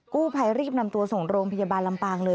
กู้ภัยรีบนำตัวส่งโรงพยาบาลลำปางเลย